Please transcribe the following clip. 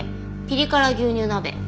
ピリ辛牛乳鍋。